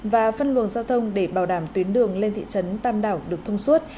và phân luồng giao thông để bảo đảm tuyến đường lên thị trấn tam đảo được thông suốt